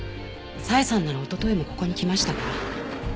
佐江さんならおとといもここに来ましたから。